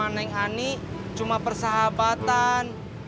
saya sama neng ani cuma persahabatan